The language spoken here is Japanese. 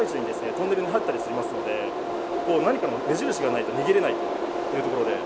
トンネルに入ったりしますので何かの目印がないと逃げれないというところで。